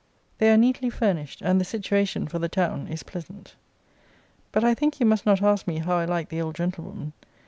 They are neatly furnished, and the situation, for the town, is pleasant. But I think you must not ask me how I like the old gentlewoman.